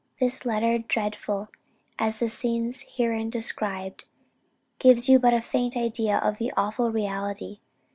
... "This letter, dreadful as are the scenes herein described, gives you but a faint idea of the awful reality.